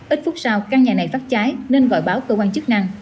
ít phút sau căn nhà này phát cháy nên gọi báo cơ quan chức năng